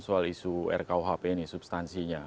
soal isu rkuhp ini substansinya